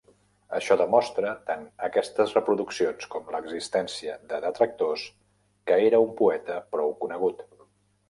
Això demostra, tant aquestes reproduccions com l'existència de detractors, que era un poeta prou conegut.